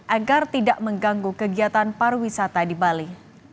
agar tidak mengganggu kegiatan pariwisata di bali